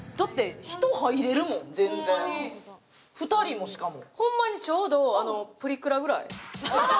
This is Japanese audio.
２人も、しかも。